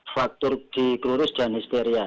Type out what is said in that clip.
faktur di kurus dan histeria